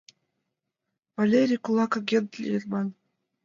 Валерий кулак агент лийын, ман...